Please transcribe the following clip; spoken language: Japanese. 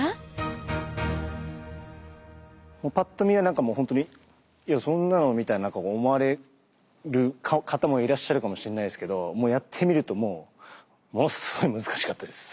ぱっと見はなんかもう本当にいやそんなのみたいに思われる方もいらっしゃるかもしれないですけどもうやってみるともうものすごい難しかったです。